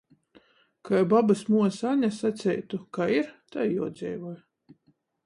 Kai babys muosa Ane saceitu: "Kai ir, tai juodzeivoj!"